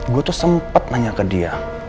gue tuh sempat nanya ke dia